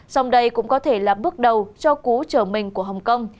dòng đầy cũng có thể là bước đầu cho cú chở mình của hong kong